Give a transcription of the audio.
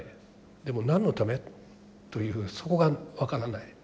でも何のためというそこが分からない。